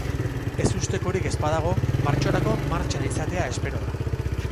Ezustekorik ez badago, martxorako martxan izatea espero da.